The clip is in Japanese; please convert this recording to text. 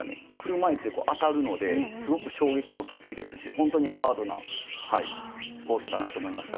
車いすで当たるのですごく衝撃もきついですし本当にハードなスポーツだなと思いました。